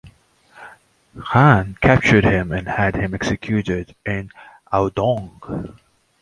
Chan captured him and had him executed in Oudong.